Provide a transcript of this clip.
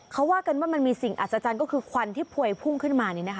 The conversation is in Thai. เขาว่ากันว่ามันมีสิ่งอัศจรรย์ก็คือควันที่พวยพุ่งขึ้นมานี่นะคะ